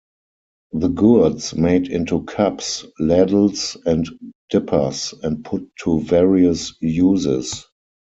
The gourds made into cups, ladles, and dippers and put to various uses.